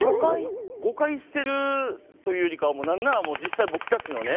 誤解してるというよりかは何なら実際僕たちのね